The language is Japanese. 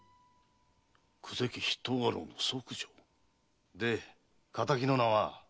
久世家筆頭家老の息女。で仇の名は？